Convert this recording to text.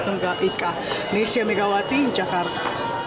saya angga ika indonesia megawati jakarta